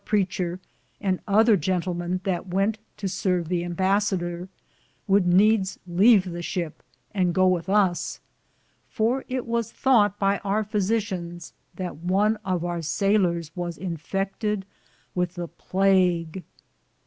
5 I preatcher, and other Jentlmen that wente to sarve the Imbassader, would needes leave the shipe and goo with us, for it was thoughte by our fizitions that one of our sailores was infeckted with the plague.